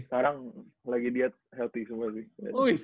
sekarang lagi diet healthy semua sih